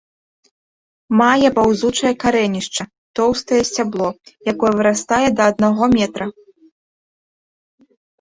Мае паўзучае карэнішча, тоўстае сцябло, якое вырастае да аднаго метра.